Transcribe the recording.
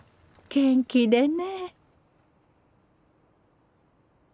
「元気でね」。